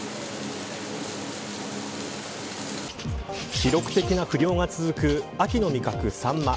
記録的な不漁が続く秋の味覚、サンマ。